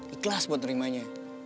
ikhlas buat nerimanya